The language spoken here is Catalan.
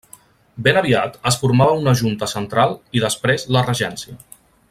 Ben aviat es formava una Junta Central i després la Regència.